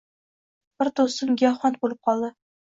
Bir do‘stim giyohvand bo‘lib qoldi